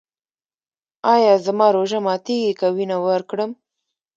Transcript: ایا زما روژه ماتیږي که وینه ورکړم؟